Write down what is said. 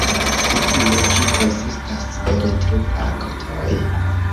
Kutime ĝi konsistas el tri aktoj.